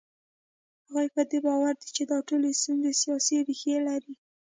هغوی په دې باور دي چې دا ټولې ستونزې سیاسي ریښې لري.